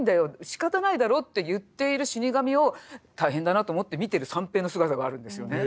しかたないだろって言っている死神を大変だなと思って見てる三平の姿があるんですよね。